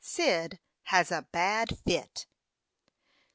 CYD HAS A BAD FIT.